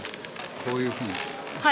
こういうふうに後ろへ。